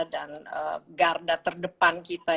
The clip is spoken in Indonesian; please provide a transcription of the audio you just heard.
dan garda terdepan kita